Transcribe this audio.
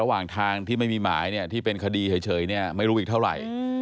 ระหว่างทางที่ไม่มีหมายที่เป็นคดีเฉยเนี่ยไม่รู้อีกเท่าไหร่